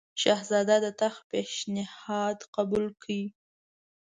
شهزاده د تخت پېشنهاد قبول کړي.